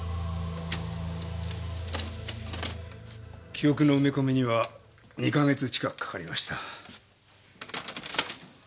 記憶の埋め込みには２か月近くかかりました。